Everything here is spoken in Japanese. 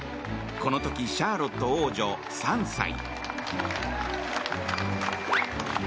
この時シャーロット王女、３歳。